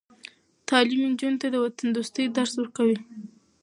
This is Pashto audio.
تعلیم نجونو ته د وطندوستۍ درس ورکوي.